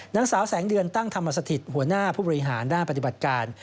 นางสาวแสงเดือนตั้งธรรมสถิตหัวหน้าผู้บริหารด้านปฏิบัติการ